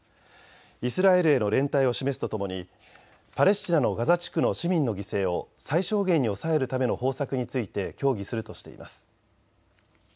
イスラエルへの連帯を示すとともにパレスチナのガザ地区の市民の犠牲を最小限に抑えるための方策について協議するとしています。